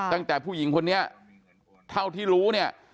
ตั้งแต่ผู้หญิงคนนี้เท่าที่รู้เนี่ย